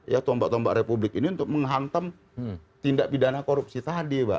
ya tombak tombak republik ini untuk menghantam tindak pidana korupsi tadi pak